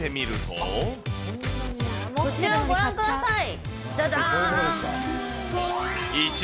こちらをご覧ください。